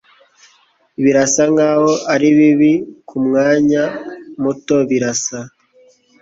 Birasa nkaho ari bibi kumwanya muto birasa